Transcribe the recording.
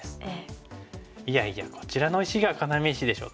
いやいやこちらの石が要石でしょうと。